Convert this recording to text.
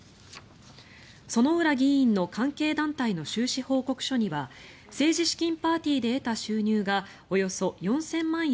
薗浦議員の関係団体の収支報告書には政治資金パーティーで得た収入がおよそ４０００万円